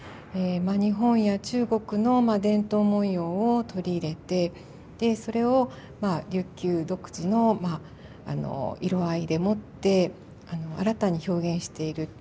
日本や中国の伝統文様を取り入れてでそれを琉球独自の色合いでもって新たに表現している。